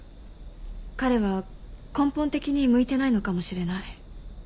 彼は根本的に向いてないのかもしれない。